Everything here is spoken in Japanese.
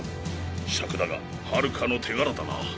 シャクだが春夏の手柄だな。